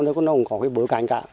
nó cũng có cái bối cảnh cả